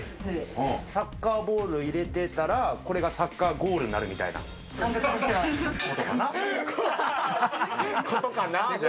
サッカーボール入れたら、これがサッカーゴールになるみたいなことかな？